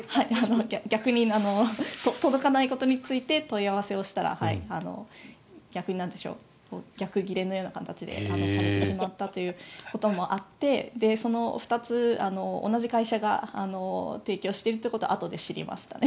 逆に届かないことについて問い合わせをしたら逆ギレのような形でされてしまったということもあってその２つ、同じ会社が提供しているということをあとで知りましたね。